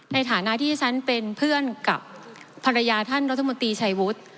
ในฐานะที่ฉันเป็นเพื่อนกับภรรยาท่านรัฐมนตรีชัยวุฒิ